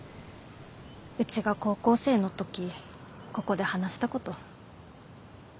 うちが高校生の時ここで話したこと。